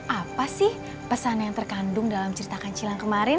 apa sih pesan yang terkandung dalam ceritakan cilang kemarin